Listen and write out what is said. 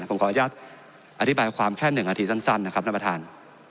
ผมขออนุญาตอธิบายความแค่๑นาทีสั้นนะครับท่านประธาน